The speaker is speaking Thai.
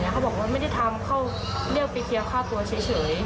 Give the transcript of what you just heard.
เขาบอกว่าไม่ได้ทำเขาเรียกไปเคลียร์ค่าตัวเฉย